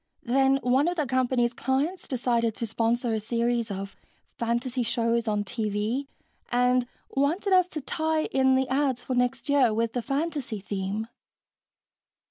Then one of the company's clients decided to sponsor a series of fantasy shows on TV and wanted us to tie in the ads for next year with the fantasy theme.